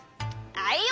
あいよ！